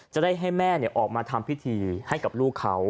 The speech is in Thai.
จะได้ให้แม่ออกมาทำพิธีให้กับลูกเขา